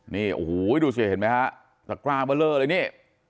นี่โอ้โหดูสิเห็นไหมครับตะกร้าเยอะเลยนี่